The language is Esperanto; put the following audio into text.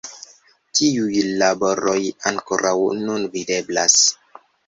Tiuj laboroj ankoraŭ nun videblas.